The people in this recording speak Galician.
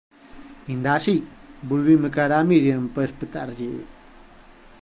Inda así, volvinme cara á Miriam para espetarlle: